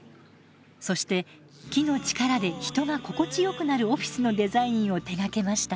そして木の力で人が心地よくなるオフィスのデザインを手がけました。